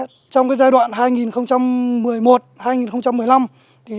trong cái giai đoạn hai nghìn một mươi một hai nghìn một mươi năm thì xã nhà đã đổi mạnh mẽ